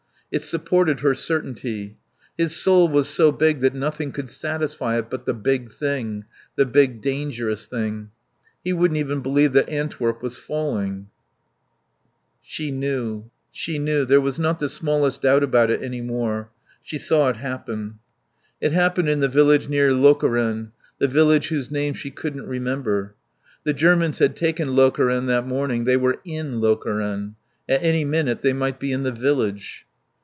It supported her certainty. His soul was so big that nothing could satisfy it but the big thing, the big dangerous thing. He wouldn't even believe that Antwerp was falling. She knew. She knew. There was not the smallest doubt about it any more. She saw it happen. It happened in the village near Lokeren, the village whose name she couldn't remember. The Germans had taken Lokeren that morning; they were in Lokeren. At any minute they might be in the village.